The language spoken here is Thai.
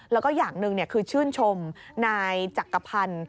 แล้วก็อย่างหนึ่งคือชื่นชมนายจักรพันธ์